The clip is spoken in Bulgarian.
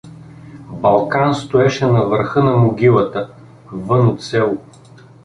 Балкан стоеше на върха на могилата, вън от село.